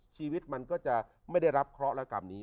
ชีวิตมันก็จะไม่ได้รับเคราะห์และกรรมนี้